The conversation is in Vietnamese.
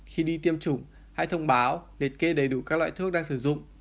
khi đi tiêm chủng hãy thông báo liệt kê đầy đủ các loại thuốc đang sử dụng